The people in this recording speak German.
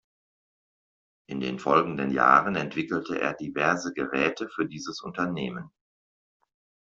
In den folgenden Jahren entwickelte er diverse Geräte für dieses Unternehmen.